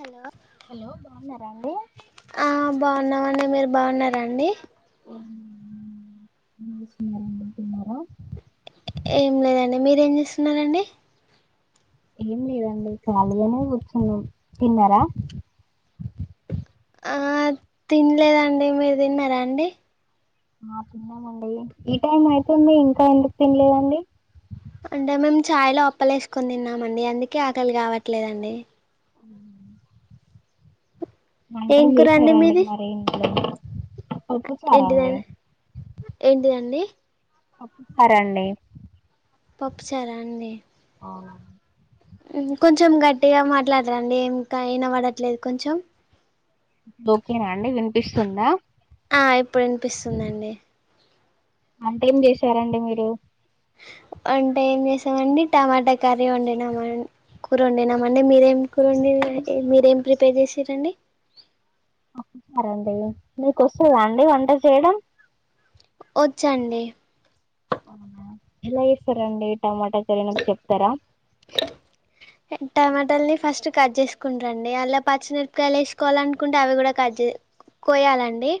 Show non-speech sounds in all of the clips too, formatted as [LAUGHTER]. Hello hello బాగున్నారా అండి ఆ బాగున్నామండి మీరు బాగున్నరండి ఏం చేస్తున్నారా అండి తిన్నార ఏం లేదండి మీరేం చేస్తున్నారంండి ఏం లేదండి కాలీగానె కూర్చునె ఉన్నాం తిన్నార ఆ తిన్లేదండి మీరు తిన్నార అండి ఆ తిన్నామండి ఈ టైం అయిపోయింది ఇంక ఎందుక్ తిన్లేదండి అంటే మేమ్ చాయ్ లో అప్పలే వేసుకని తిన్నామ అండి అందుకే ఆకలి కావట్లేదండి అ ఏం వంటేం చేసారండి మరి ఇంట్లో పప్పు చారా ఏంటి అండి దం ఏంటిదండి పప్పు చారండి పప్పు చారా అండి అ కొంచం గట్టిగా మాట్లాడ్రండి ఇంక ఐన విన పడట్లేదు కొంచెం... ఇదొక్కేనా అండి వినిపిస్తుందా.. ఆ ఇప్పుడు వినిపిస్తుందండి వంటేం చేసారండి మీరు అంటే ఏం చేసామండి, టమాటా కర్రీ వండినాం, కూర వండినామండి. మీరేం కూర వండి మీరేం ప్రిపేర్ చేసిరండి. చారండి మీకు వస్తదా అండి వంట చేయడం.... ఒచ్చండి... ఎల చేస్తరండీ టమాటా కర్రీ నాక్ చెప్తరా టమాటల్ని ఫస్ట్ కట్ చేసుకుంటరండి, ఆల్ల పచ్చిమిరపకాయలు వేసుకోవాల అనుకుంటే, అవి కూడా కట్ చెస్.. కోయాలండి,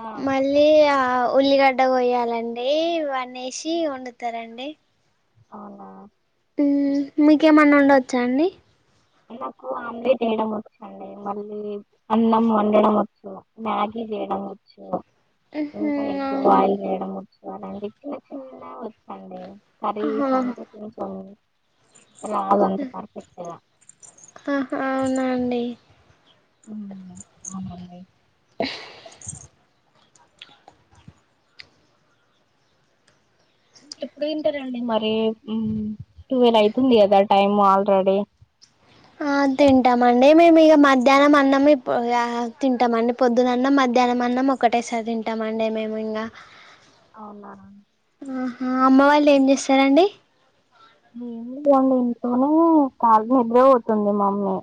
ఆ మళ్ళీ.. ఉల్లిగడ్డ కొయాలండి, ఇవన్నసి వండుతారండి. ఆ ఊమ్. మీకేమన్నా ఒండొచ్చా అండి.. నాకు ఆమ్లెట్ వేయడం వచ్చు అండి, మళ్ళీ..... అన్నం ఒండడం వచ్చు, మ్యాగీ చేయడం వచ్చు... ఇంక ఎగ్ బాయిల్ చేేయడంవచ్చు.. అవునండి చిన్న చిన్నగ వచ్చు అండి... మరీ ఆహా [INAUDIBLE] రాదంత పర్ఫెక్ట్ గా అహ అవునా అండి. హుమ్ అవునండి. [INAUDIBLE] ఎప్పుడు తింటరండి మరీ.. ఉమ్.. టువెల్యితుంది కదా టైమ్ ఆల్రెడీ... ఆ... తింటామండి మేము ఇగ మధ్యాహ్నం అన్నం ఇప్ ఆ తింటామండి పొద్దున అన్నం మధ్యాహ్నం అన్నం ఒకటేసారి తింటామండి మేము ఇంగా అవున ఆహా అమ్మ వాళ్ళు ఏం చేస్తారండి. ఏమి లేదండి ఇంట్లోనే కాళ్ళ నిద్ర పోతుంది మమ్మీ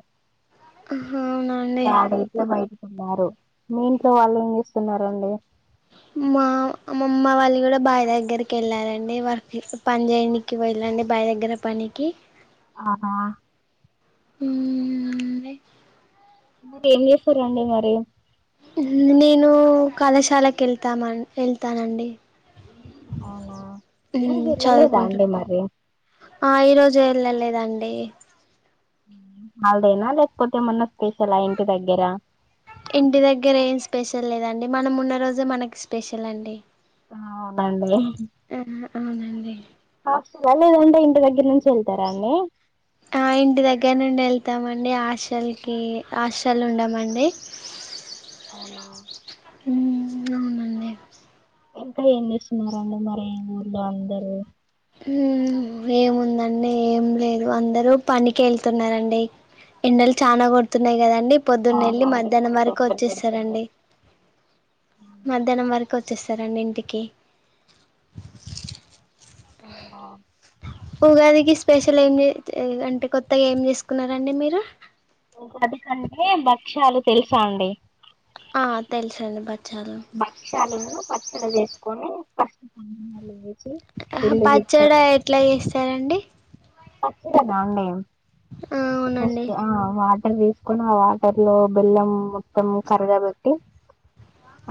అ.. అడ ఇట్ మై ఉన్నారు మా అమ్మమ్మ వాళ్ళు గుడా బాయి దగ్గరికి వెళ్ళారండి వర్క్ పని చేయనికి వెళ్ళరండి బావి దగ్గర పనికి [INAUDIBLE] ఉ ఉ ఉంది ఏం చేస్తురండి మరి న్ నేను కళాశాలకు వెళ్తామ్, వెళ్తానండి.. అవునా ఊ ఈరోజు వెళ్ళలేదా అండి చదువుకుంటుంది మరి ఆ ఈ రోజు వెళ్ళలేదండి ఎహ్.. హాలిడేనా లేకపోతే ఏమన్నాస్పెషల్ ఆ ఇంటిదగ్గర ఇంటి దగ్గర ఏం స్పెషల్ లేదండి, మనం ఉన్న రోజే మనకి స్పెషల్ అండి.. అవునండి.. అవునండి. అగా లేదంటే ఇంటి దగ్గర నుంచి వెళ్తారా అన్నీ కొంతమంది హాస్టల్ కి, హాస్టల్ ఉండమండి. అ.. ఉమ్.. అవునండి.. ఇంకా ఏం చేస్తున్నారండి, మరి ఊర్లో అందరూ హ్మ్మ్ ఏముందండి ఏం లేదు అందరు పనికి వెళ్తున్నారండి ఎండలు చాల కొడుతున్నాయి కదండి పొద్దున్న వెళ్ళి అవునండి మధ్యాహ్నం ఫుల్ వరకు ఎండలు కొడుతున్నాయి వచ్చేస్తారండి మధ్యాహ్నం వరకు వ రండి ఇంటికి ఆవున ఉగాదికి స్పెషల్ ఏం చెస్ అంటే కొత్తగా ఏం చేసుకున్నారండి మీరు ఉగాదికంటే భక్ష్యాలు తెలుసా అండి ఆ తెలుసండి బచ్చాలు భక్షాలను పచ్చడి చేస్త [UNINTELLIGIBLE] ఆహా పచ్చడ ఎట్లా చేస్తారండి పచ్చడ నా అండి ఆ అవునండి [UNINTELLIGIBLE] తీసుకోని ఆ వాటర్ లో బెల్లం మొత్తం కరగా పెట్టి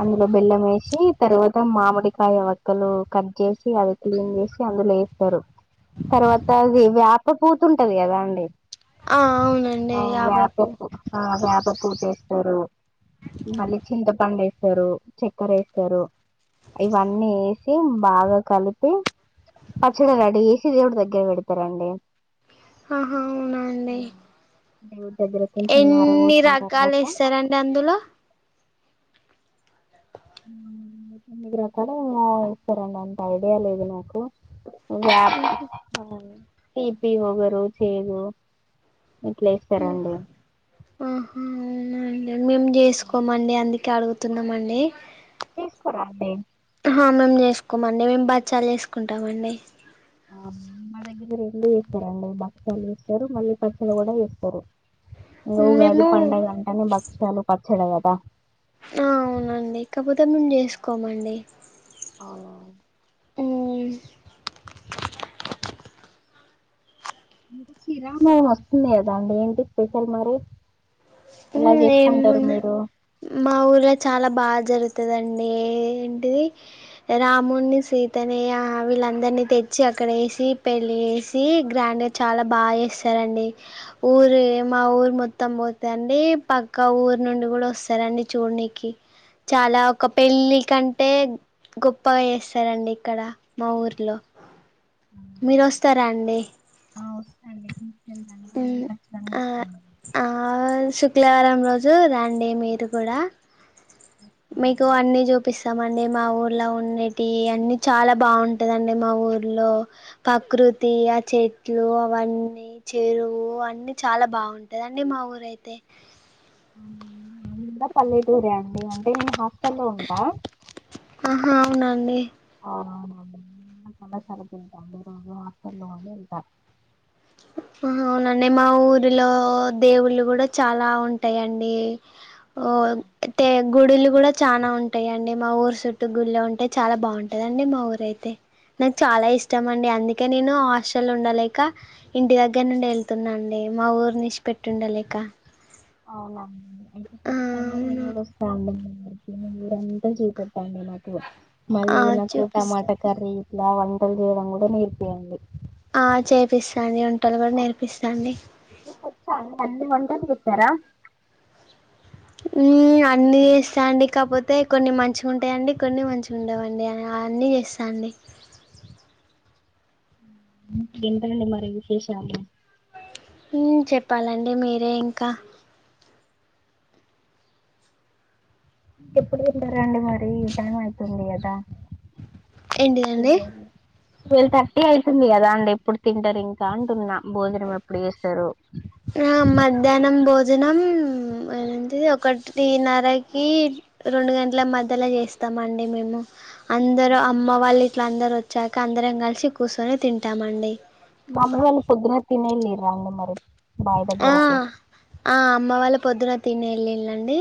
అందులో బెల్లం వేసి తర్వాత మామిడికాయ వక్కలు కట్ చేసి అది క్లీన్ చేసి అందులో వేస్తారు తర్వాత వేప పూత ఉంటది కదా అండి ఆ అవునండి వేప యాపాకు పూ వేప పూతస్తారు మళ్ళీ చింతపండు వేస్తారు రు చక్కర వేస్తారు ఇవన్నీ వేసి బాగా కలిపి పచ్చడి రెడి చేసి దేవుడు దగ్గర పెడతారు అండి ఆహా అవునండి [UNINTELLIGIBLE] కొంచెం ఎన్ని ఆరబోసిన రకాలు తర్వాత ఏస్తారండి అందులో ఆ తొమ్మిది రకాలేమో ఏస్తారండి అంత ఐడియా లేదు నాకు వేప తీపి వగరు చేదు ఇట్ల ఏస్తరండి ఆహా అవునండి మేము చేసుకోమండి అందుకే కే అడుగుతున్నమండి చేసుకోరా అండి ఆ మేం చేసుకోమండి మేము బచ్చలు చేసుకుంటమండి అవునా మా దగ్గర రెండు చేస్తరండి బక్షాలు చేస్తరు మళ్ళీ పచ్చడ కూడ చేస్తరు ఉగాది మేము పండుగంటనే బక్షలు పచ్చ చ్చడ కదా ఆ అవునండి కాకపోతే మేము చేసుకోమండి అ హ్మ్మ్ శ్రీ రామనవమి వస్తుంది కదా అండి ఏంటి స్పెషల్ మరి ఎలా ఉమ్ చేసుకుంటారు ఏముంది మీరు మా ఊర్లో చాలా బాగ జరుగుతుంది తదండి ఏంటిది రామున్నీ సీతనీ ఆ వీళ్ళందరినీ తెచ్చి అక్కడ వేసి పెళ్ళి చేసి గ్రాండ్గ చాలా బాగా చేస్తరండి ఊరు మా ఊరు మొత్తం దండి పక్క ఊరు నుండి కూడ వస్తరండి చూడనికి చాలా ఒక పెళ్ళి కంటే గొప్పగ చేస్తరండి ఇక్కడ మా ఊర్లో మీరు వస్తరా అండి ఆ వస్తా అండి తీసుకెళ్తాను నేను ఉమ్ ఖచ్చితంగా వస్తున్నాను ఆ శుక్రవారం రోజు రండి మీరు కూడా మీకు అన్నీ చూపిస్తమండి మా ఊర్లో ఉండేటియి అన్నీ చాలా బాగుంటదండి మా ఊర్లో ప్రకృతి ఆ చెట్లు అవన్నీ చెరువు అన్నీ చాలా బాగుంటదండి మా ఊరైతే పల్లె టూరే అండి అంటే నేను హాస్టల్లో ఉంటా ఆహా అవునాండి అవునా [UNINTELLIGIBLE] ఆహా అవునండి మా ఊరిలో దేవుళ్ళు కూడ చాలా ఉంటయండి ఓ ఆ, తె గుడులు కూడ చానా ఉంటయండి మా ఊరు చుట్టు గుళ్ళే ఉంటయి చాలా బాగుంటదండి మా ఊరయితే నాకు చాలా ఇష్టం అండి అందుకే నేను హాస్టల్ల ఉండలేక ఇంటి దగ్గర నుండి వెళ్తున్నా అండి మా ఊరుని ఇడిషి పెట్టుండలేక అవునాండి అయితే కచ్చితంగ నేను అవును కూడ వస్తా అండి మీ ఊరంత చూపెట్టండి నాకు ఆ మళ్ళీ నాకు చూపిస్తా టమాట కర్రీ ఇలా వంటలు చేయడం కూడ నేర్పియండి ఆ చేపిస్తా అండి వంటలు కూడా నేర్పిస్తాండి మీకు వచ్చా అండి అన్ని వంటలు చేస్తారా అన్నీ చేస్తా అండి కాకపోతే కొన్ని మంచిగుంటయండి కొన్ని మంచిగుండవండి అ అన్నీ చేస్తా అండి ఇంకేంటండీ మరి విశేషాలు ఉమ్ చెప్పాలండి మీరే ఇంకా ఎప్పుడు తింటరండీ మరి ఈ టైం అయితుంది కదా ఏంటిదండి ట్వెల్వ్ థర్టీ అవుతుంది కదా అండి ఎప్పుడు తింటారు ఇంకా అంటున్నా భోజనం ఎప్పుడు చేస్తారు ఆ మధ్యాహ్నం బో భోజనం ఏంటే ఒకటిన్నరకి రెండు గంటల మధ్యలో చేస్తామండి మేము అందరు అమ్మ వాళ్ళ అట్ల అందరు వచ్చాక అందరం కలిసి కుస్సోనీ తింటామండి మా అమ్మ వాళ్ళు ప్రొద్దునే తినెల్లిరండి మరి బావి ఆ దగ్గరికి ఆ అమ్మ వాళ్ళ పొద్దున తినే వెళ్ళిళ్ళండి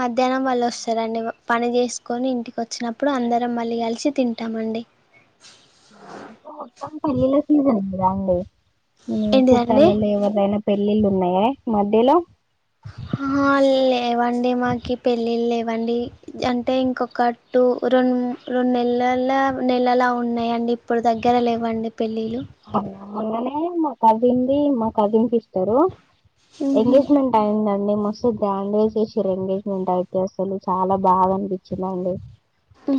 మధ్యాహ్నం వాళ్ళు వస్తారండి పని చేసుకొని ఇంటికి వచ్చినప్పుడు అందరం మళ్ళీ కలిసి తింటామండి అ మొత్తం పెళ్ళిళ్ళ సీజన్ ఉందిగా అండి ఉమ్ ఏంటిదండి చుట్టాలలో ఎవరైనా పెళ్ళిళ్ళు ఉన్నాయే మధ్యలో ఆ లేవండి మాకి పెళ్ళిళ్ళ లేవండి అంటే ఇంకొక టు రెండుమూడ్ రెండు నెలల్ల నెలల ఉన్నాయండి ఇప్పుడు దగ్గర లేవండి పెళ్ళిళ్ళు మొన్ననే ఏ మా కజిన్ ది మా కజిన్ సిస్టర్ ఎంగేజ్మెంట్ టయిదం అండి మస్తు గ్రాండ్గా జెసిర్రండి ఎంగేజ్మెంట్ అయితే అసలు చాలా బాగా అనిపించిందండి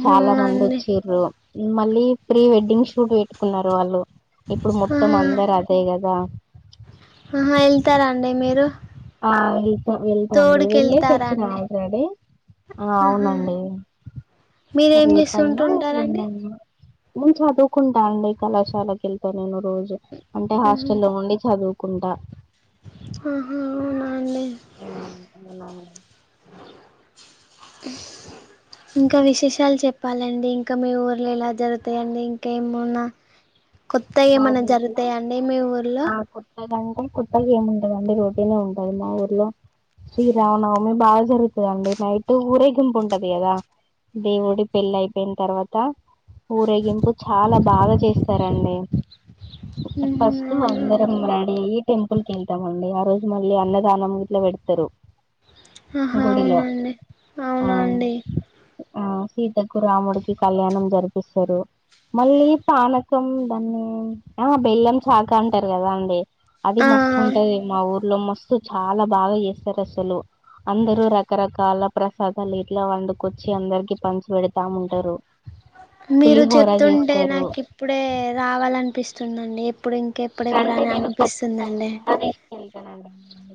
చాలా మంది అవునండి ఒచ్చిర్రు మళ్ళీ ప్రీ వెడ్డింగ్ షూట్ పెట్టుకున్నారు వాళ్ళు ఇప్పుడు ఆ మొత్తం అందరు అదే కదా ఆ వెళ్తారాండి మీరు ఆ వెళ్తా వెళ్తాండి తోడుకి వెళ్ళేసి వెళ్తారా వచ్చినా అండి ఆల్రెడీ ఆ ఆహా అవునండి మీరేం రేపయినా చేస్తుంటుంటారండి ఎల్లుడైనా ను చదువుకుంటా అండి కళాశాలకు వెళ్తా నేను రోజు అంటే ఉహు. హాస్టల్ల్లో ఉండి చదువు కుండా ఆహా అవునా అండి అ అన అ ఇంకా విశేషాలు చెప్ప చెప్పాలండి ఇంకా మీ ఊర్లో ఇలా జరుగుతాయండి ఇంకా ఏమున్నా కొత్త మా ఏమన్నా ఊర్లో జరుగుతాయా అండి మీ ఊర్లో ఆ కొత్తగంటే కొత్తగా ఏముండదండి రొటీన్నే ఉంటది మా ఊర్లో శ్రీరావణ బాగా జరుగుతుందండి నైట్ ఊరేగింపు ఉంటది కదా దేవుడి పెళ్లి అయిపోయిన తర్వాత ఊరేగింపు చాలా బాగాజ్ చేస్తారండి ఉహు, ఫస్ట్ అవునా అందర మడి టెంపుల్ కెళ్తామండి ఆ రోజు మళ్ళీ అన్నదానం ఇట్లా పెడతారు ఆ గుడిలో అవునండి ఆ అవునండి ఆ సీతకు రాముడికి కళ్యాణం జరిపిస్తరు మళ్ళీ పాన త్తం దాన్ని ఆ బెల్లం చాక అంటారు కదా అండి అది ఆ మస్తు ఉంటది మా ఊర్లో మస్ చాల బాగా చేస్తారు అసలు అందరుూ రకరకాల ప్రసాదాలు ఇట్లా వండుకొచ్చి అందరికి పంచి పెడతా ఉంటారు మీరు పులిహోర చెప్తుంటే చేస్తారు నాకు ఇప్పుడే రావాలనిపిస్ [UNINTELLIGIBLE] ఇప్పుడు ఇంకెప్పుడెప్పుడు రండి అని నేను అనిపిస్తుందండి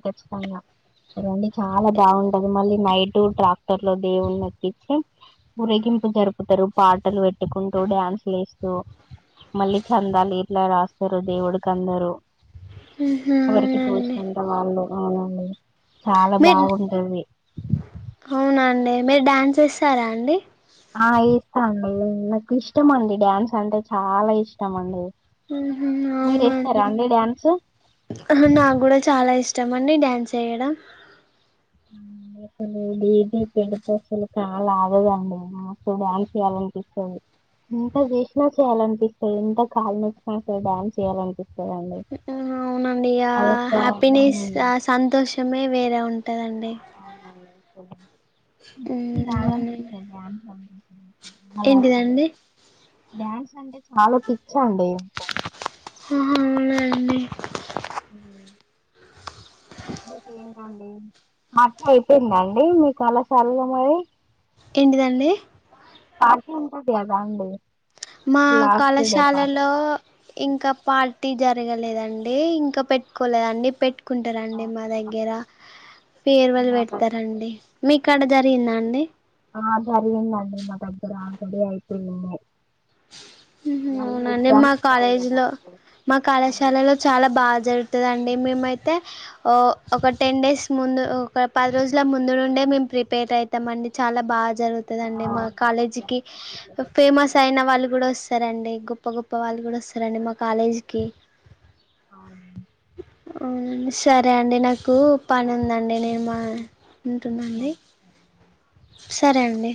చ్చితంగాదండి చాలా బాగుంటది మళ్ళీ నైట్ ట్రాక్టర్ లో దేవుడిని ఎక్కించిి మురగింపు జరుపుతారు పాటలు పెట్టుకుంటూ డ్యాన్సులు వేస్తూ మళ్ళీ చందాల ఇట్లా రాస్తారు దేవుడు కందరు ఉహు ఎవరికి అవునండి తోచినంత వాళ్ళు అ చాలా బాగుంటది అవునా అండి మీరు డ్యాన్స్ చేస్తార అండి ఆ ఏస్తాండి నాకు ఇష్టం అండి డ్యాన్స్ అంటే చాలా ఇష్టం అండి మ్ హూ మీరు అవునా అండి వేస్తారా డ్యాన్స్ అ నాకు కూడ చాలా ఇ ఇష్టమండి డ్యాన్స్ ఏయడం మ్ అసలు డీజే పెడితే అసలు కాలు ఆగదండి నాకు డ్యాన్స్ చేయాలనిపిస్తది ఎంత చేసినా చేయాలనిపి ఎంత కాలు నొచ్చిన సరే డ్యాన్స్ చేయాలనిపి మ్ అవునండి ఆ అదొక హ్యాపీనెస్ మ్మ్ ఆ సంతోషమే వేరే ఉం టదండి ఒ పిచ్చి లాగ అనిపిస్తది డ్యాన్స్ అవునండి అంటే చాలా అసలు ఏంటిదండి డ్యాన్స్ అంటే చాలా పి అహా అవు నాండి మ్ ఓకే ఇంక అండి పార్టీ అయిపోయింద అండి మీ కళాశాలలో మరి ఏంటిదండి పార్టీ ఉంటది కదా అండి మా లాస్ట్ డే పార్టీ కళాశాలలో ఇంకా పా ర్టీ జరగలేదండి ఇంకా పెట్టుకోలేదండి పెట్ కుంట రండి మా దగ్గర ఫేరువళ్ మా పెడతారండి మీ కాడ జరిగిందా అండి జరిగింది అండి మా దగ్గర ఆల్రెడీ అయిపోయింది మ్ హూ మళ్ళీ అవున అండి మా ఎగ్జామ్స్ ఉంటాయి కాలేజీలో కదండి మా అందు కళాశాలలో చాలా బాగా జరుగుతది అండి మేమయితే ఒ ఒక టెన్ డేస్ ముందు ఒక పది రోజుల ముందు నుండే మేము ప్రిపేర్ అయితాం అండి చాలా బా జరుగుతది ఆ అండి మా అవునండి కాలేజీకి ఎగ్జామ్స్ అట్లా ఇట్లా చేపిస్తారు ఫేమస్ కదా అయిన వస్తారండి గొప్ప గొప్ప వాళ్ళు కూడా వస్తారండి మా కాలేజీకిి అవును అవున అండి సరే అండి నాకు పని ఉం ది అండి నేను హ్మ్. మా ఉంటున్న ఓకే ఓకే అండి సరే సరే అండి